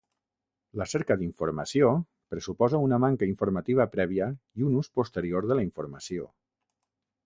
La cerca d’informació pressuposa una manca informativa prèvia i un ús posterior de la informació.